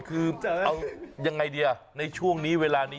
คือเอายังไงดีในช่วงนี้เวลานี้